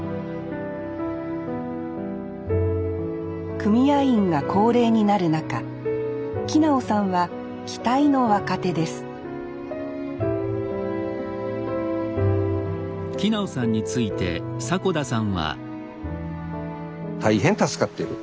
組合員が高齢になる中木直さんは期待の若手です大変助かってる。